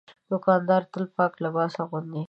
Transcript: دوکاندار تل پاک لباس اغوندي.